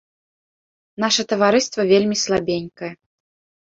Наша таварыства вельмі слабенькае.